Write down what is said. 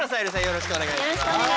よろしくお願いします。